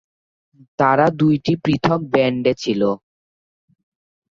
তারা দুইটি পৃথক ব্যান্ডে ছিল।